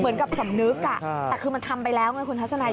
เหมือนกับสำนึกแต่คือมันทำไปแล้วไงคุณทัศนัย